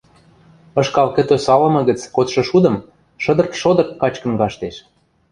ышкал кӹтӧ салымы гӹц кодшы шудым шыдырт-шодырт качкын каштеш.